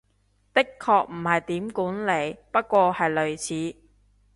的確唔係點管理，不過係類似